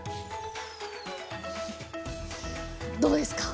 どうですか？